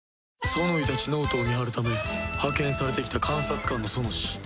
ソノイたち脳人を見張るため派遣されてきた監察官のソノシ